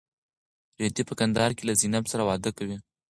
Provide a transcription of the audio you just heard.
رېدی په کندهار کې له زینب سره واده کوي.